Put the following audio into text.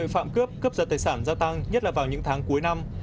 tội phạm cướp cướp giật tài sản gia tăng nhất là vào những tháng cuối năm